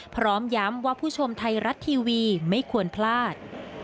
พร้อมย้ำว่าผู้ชมไทยรัฐทีวีไม่ควรพลาด